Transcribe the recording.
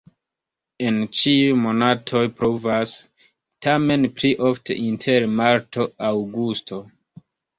En ĉiuj monatoj pluvas, tamen pli ofte inter marto-aŭgusto.